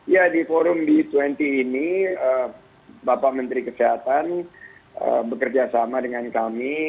ya di forum b dua puluh ini bapak menteri kesehatan bekerjasama dengan kami